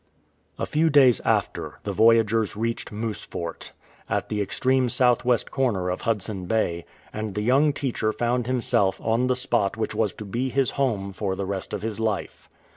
A few days after, the voyagers reached Moose Fort, at the extreme south west corner of Hudson Bay, and the young teacher found himself on the spot which was to be his home for the rest of his life.